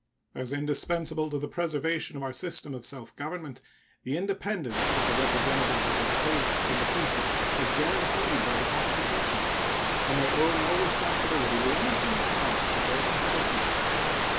As indispensable to the preservation of our system of self government, the independence of the representatives of the States and the people is guaranteed by the Constitution, and they owe no responsibility to any human power but their constituents.